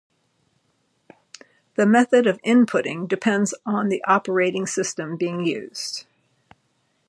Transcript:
The method of inputting depends on the operating system being used.